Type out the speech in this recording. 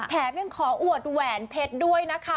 แถมยังขออวดแหวนเพชรด้วยนะคะ